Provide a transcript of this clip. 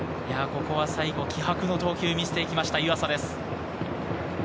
ここは最後、気迫の投球を見せていきました、湯浅です。